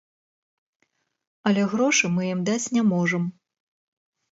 Але грошы мы ім даць не можам.